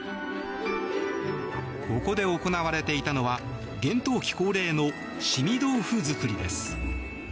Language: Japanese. ここで行われていたのは厳冬期恒例のしみ豆腐作りです。